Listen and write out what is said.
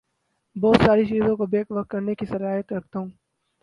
بہت ساری چیزوں کو بیک وقت کرنے کی صلاحیت رکھتا ہوں